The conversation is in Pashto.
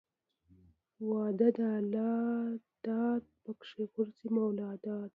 واده د الله داد پکښې غورځي مولاداد.